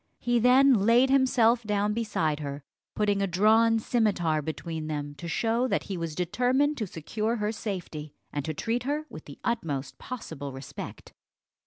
He then laid himself down beside her, putting a drawn scimitar between them, to show that he was determined to secure her safety, and to treat her with the utmost possible respect.